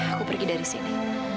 aku pergi dari sini